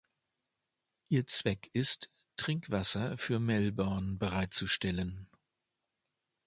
Ihr Zweck ist, Trinkwasser für Melbourne bereitzustellen.